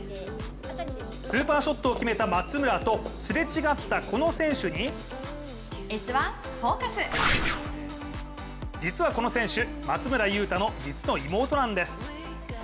スーパーショットを決めた松村とすれ違ったこの選手に実はこの選手、松村雄太の実の妹なんです。